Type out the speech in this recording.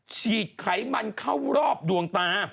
ฉีดไขมันเข้ารอบดวงตา